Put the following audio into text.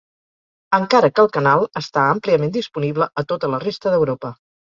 Encara que el canal està àmpliament disponible a tota la resta d'Europa.